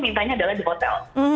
mintanya adalah di hotel